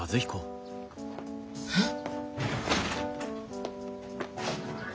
えっ？